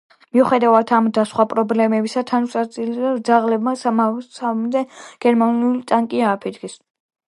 მიუხედავად ამ და სხვა პრობლემებისა ტანკსაწინააღმდეგო ძაღლებმა სამასამდე გერმანული ტანკი ააფეთქეს.